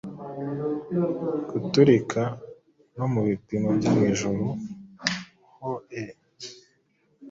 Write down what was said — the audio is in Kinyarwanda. Guturika, no mubipimo byo mwijuru hoe